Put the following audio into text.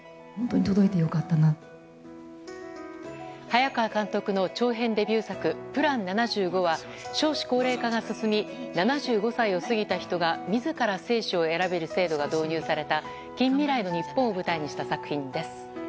早川監督の長編デビュー作「ＰＬＡＮ７５」は少子高齢化が進み７５歳を過ぎた人が自ら生死を選べる制度が導入された近未来の日本を舞台にした作品です。